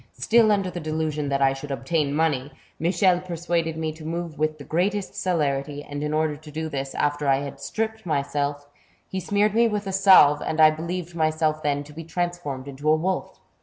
Still under the delusion that I should obtain money, Michel persuaded me to move with the greatest celerity, and in order to do this, after I had stripped myself, he smeared me with a salve, and I believed myself then to be transformed into a wolf.